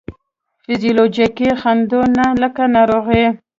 فزیولوجیکي خنډو نه لکه ناروغي،